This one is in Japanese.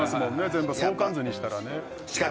全部相関図にしたらね。